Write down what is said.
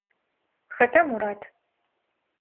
Хэта Мурат?